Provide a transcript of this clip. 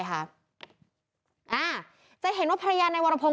หลังจากตอนนี้จังหวัดพระยานายวรพงษ์วิ่ง